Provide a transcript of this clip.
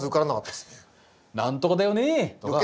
何とかだよねとか。